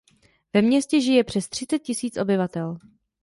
Ve městě žije přes třicet tisíc obyvatel.